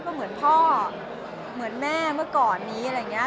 ก็เหมือนพ่อเหมือนแม่เมื่อก่อนนี้อะไรอย่างนี้